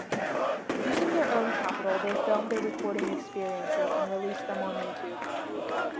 Using their own capital, they filmed their recording experiences and released them on YouTube.